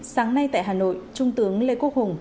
sáng nay tại hà nội trung tướng lê quốc hùng